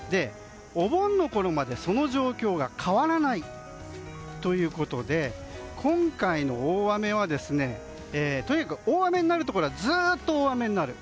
お盆のころまで、その状況が変わらないということで今回の大雨は大雨になるところはずっと大雨になる。